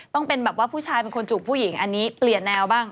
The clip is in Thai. ต้องเป็นแบบว่าผู้ชายเป็นคนจูบผู้หญิงอันนี้เปลี่ยนแนวบ้าง